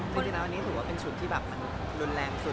แต่ดินัวนี้ถือว่าเป็นชุดที่หมดรุนแรงสุด